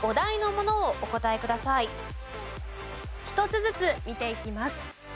１つずつ見ていきます。